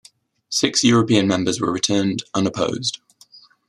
Six European members were returned unopposed.